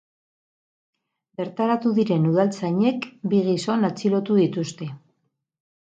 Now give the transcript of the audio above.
Bertaratu diren udaltzainek bi gizon atxilotu dituzte.